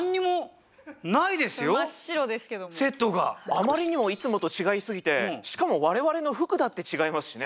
あまりにもいつもと違いすぎてしかも我々の服だって違いますしね。